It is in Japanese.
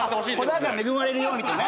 子宝恵まれるようにね。